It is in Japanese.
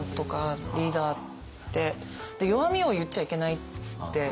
弱みを言っちゃいけないって。